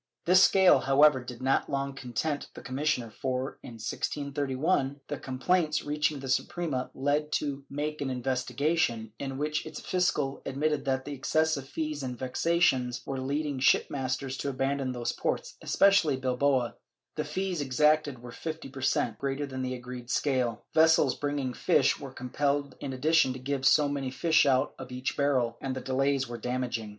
This scale, however, did not long content the commissioner for, in 1631, the complaints reaching the Suprema led it to make an investigation, in which its fiscal admitted that the excessive fees and vexations were leading shipmasters to abandon those ports, especially Bilbao ; the fees exacted were fifty per cent, greater than the agreed scale; vessels bringing fish were compelled in addition to give so many fish out of each barrel, and the delays were damaging.